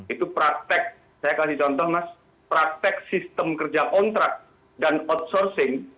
itu praktek saya kasih contoh mas praktek sistem kerja kontrak dan outsourcing